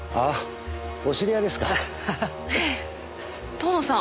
遠野さん